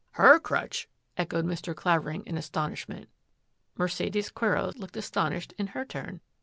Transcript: "Her crutch!" echoed Mr. Clavering in as tonishment. Mercedes Quero looked astonished in her turn.